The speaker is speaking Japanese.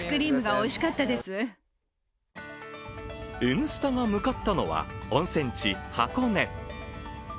「Ｎスタ」が向かったのは温泉地・箱根。